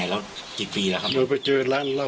ญี่ปุ่น